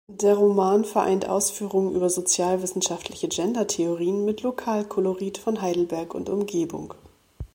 Der Roman vereint Ausführungen über sozialwissenschaftliche Gender-Theorien mit Lokalkolorit von Heidelberg und Umgebung.